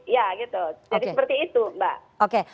jadi seperti itu mbak